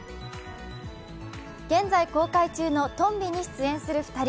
現在公開中の「とんび」に出演する２人。